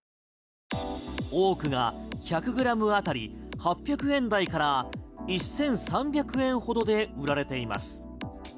多くが１００ｇ当たり８００円台から１３００円ほどで売られています。